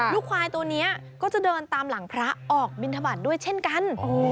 ควายตัวนี้ก็จะเดินตามหลังพระออกบินทบาทด้วยเช่นกัน